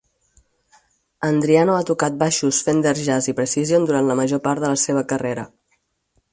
Andriano ha tocat baixos Fender Jazz i Precision durant la major part de la seva carrera.